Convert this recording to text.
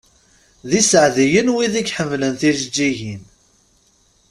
D iseɛdiyen wid i iḥemmlen tjeǧǧigin.